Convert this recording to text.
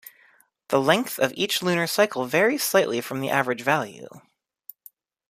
The length of each lunar cycle varies slightly from the average value.